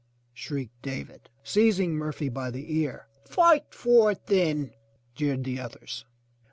'' shrieked David, seizing Murphy by the ear. "Fight for it then!" jeered the others.